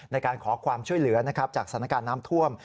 ในการขอความช่วยเหลือจากสถานการณ์น้ำท่วม